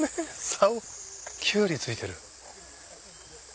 さおキュウリついてる。